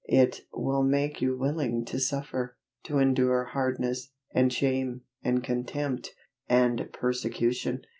It will make you willing to suffer, to endure hardness, and shame, and contempt, and persecution.